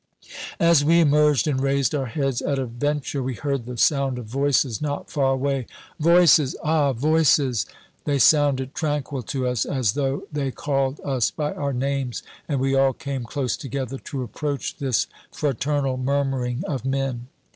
As we emerged and raised our heads at a venture we heard the sound of voices not far away. "Voices! Ah, voices!" They sounded tranquil to us, as though they called us by our names, and we all came close together to approach this fraternal murmuring of men.